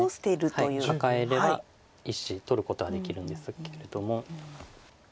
カカえれば１子取ることはできるんですけれども。